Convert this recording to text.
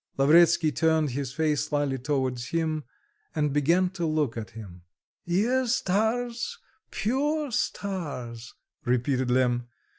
'" Lavretsky turned his face slightly towards him and began to look at him. "'Ye stars, pure stars,'" repeated Lemm...